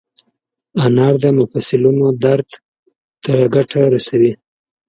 انار د مفصلونو درد ته ګټه رسوي.